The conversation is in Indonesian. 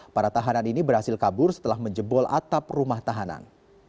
para tahanan ini berhasil kabur setelah menjebol atap rumah tahanan